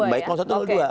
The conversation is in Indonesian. baik satu dua ya